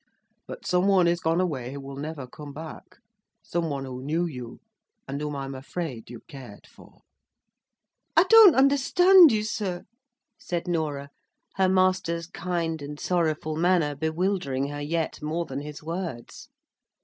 But some one is gone away who will never come back: someone who knew you, and whom I am afraid you cared for." "I don't understand you, sir," said Norah, her master's kind and sorrowful manner bewildering her yet more than his words.